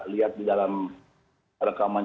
lihat di dalam rekaman